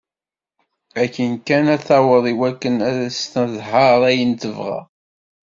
Akken kan ad taweḍ iwakken ad as-d-tehder ayen tebɣa.